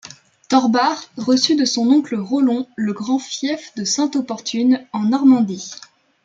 Thorbard reçut de son oncle Rollon le grand fief de Sainte-Opportune, en Normandie.